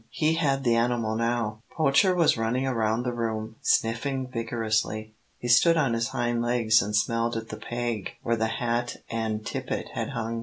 He had the animal now. Poacher was running around the room, sniffing vigorously. He stood on his hind legs and smelled at the peg where the hat and tippet had hung.